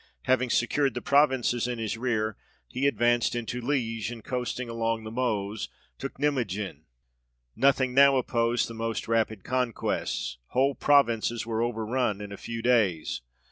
Having secured the provinces in his rear, he advanced into Lie'ge, and coasting along the Meuse, took Nimeguen ; nothing now opposed the most rapid conquests ; whole provinces were over run in a few days.